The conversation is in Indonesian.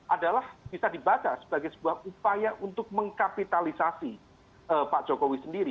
adalah bisa dibaca sebagai sebuah upaya untuk mengkapitalisasi pak jokowi sendiri